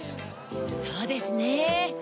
そうですね。